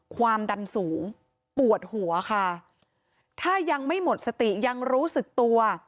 ความดันสูงปวดหัวค่ะถ้ายังไม่หมดสติยังรู้สึกตัว